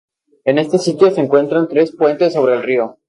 En este sitio se encuentran tres puentes sobre el río.